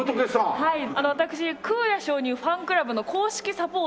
私空也上人ファンクラブの公式サポーターを。